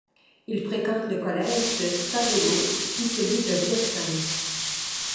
Il fréquente le collège de Stavelot puis celui de Virton.